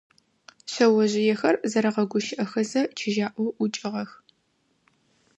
Шъэожъыехэр зэрэгъэгущыӀэхэзэ чыжьаӀоу ӀукӀыгъэх.